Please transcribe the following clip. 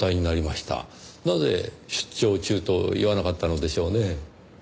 なぜ出張中と言わなかったのでしょうねぇ。